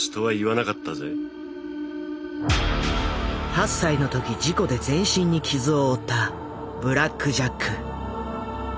８歳の時事故で全身に傷を負ったブラック・ジャック。